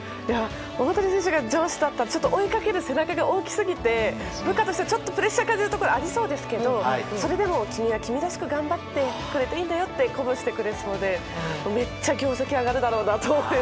大谷選手が上司だったら追いかける背中が大きすぎて部下としたらプレッシャーを感じるところがありそうですけどそれでも、君は君らしく頑張ってくれていいんだよと鼓舞してくれそうでめっちゃ業績上がるだろうなと。